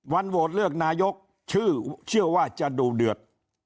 โหวตเลือกนายกชื่อเชื่อว่าจะดูเดือด